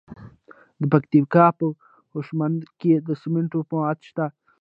د پکتیکا په خوشامند کې د سمنټو مواد شته.